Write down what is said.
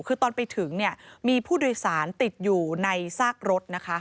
คือตอนไปถึงเนี่ยมีผู้โดยสารติดอยู่ในซากรถนะคะ